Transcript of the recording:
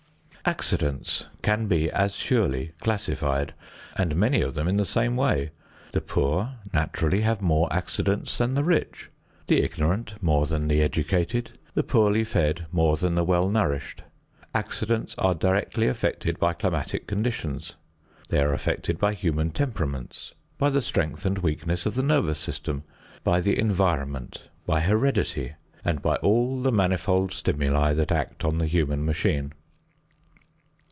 Accidents can be as surely classified, and many of them in the same way. The poor naturally have more accidents than the rich; the ignorant more than the educated; the poorly fed more than the well nourished. Accidents are directly affected by climatic conditions; they are affected by human temperaments, by the strength and weakness of the nervous system, by the environment, by heredity, and by all the manifold stimuli that act on the human machine.